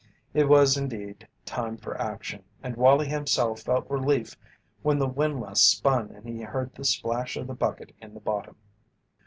It was indeed time for action, and Wallie himself felt relief when the windlass spun and he heard the splash of the bucket in the bottom.